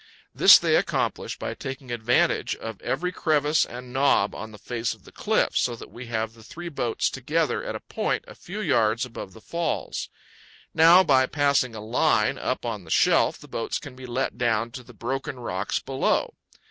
This they accomplish by taking advantage of every crevice and knob on the face of the cliff, so that we have the three boats together at a point a few yards above the falls. Now, by passing a line up on the shelf, the boats can be let down to the broken rocks below.